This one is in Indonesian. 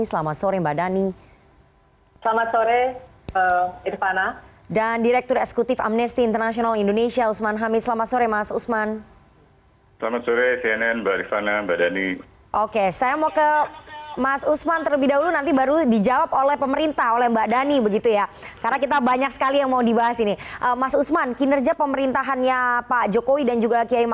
selamat sore mbak dhani